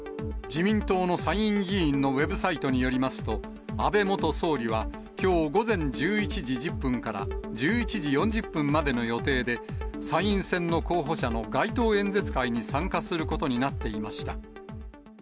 自民党の参議院議員のウェブサイトによりますと、安倍元総理は、きょう午前１１時１０分から１１時４０分までの予定で、参院選の候補者の街頭演説会に参加することになっていました。